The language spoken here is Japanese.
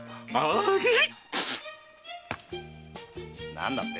何だって？